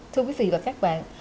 thưa quý vị và các bạn